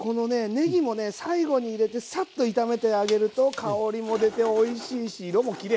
ねぎもね最後に入れてサッと炒めてあげると香りも出ておいしいし色もきれい。